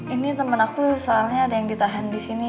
ini teman aku soalnya ada yang ditahan di sini